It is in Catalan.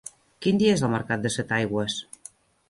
Quin dia és el mercat de Setaigües?